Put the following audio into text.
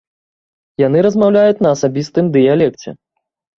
Яны размаўляюць на асабістым дыялекце.